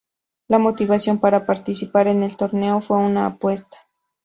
La motivación para participar en el torneo fue una apuesta.